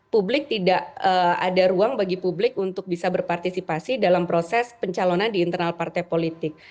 publik tidak ada ruang bagi publik untuk bisa berpartisipasi dalam proses pencalonan di internal partai politik